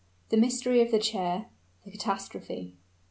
THE MYSTERY OF THE CHAIR THE CATASTROPHE.